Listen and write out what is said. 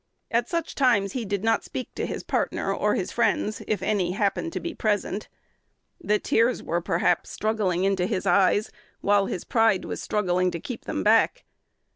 At such times he did not speak to his partner or his friends, if any happened to be present: the tears were, perhaps, struggling into his eyes, while his pride was struggling to keep them back.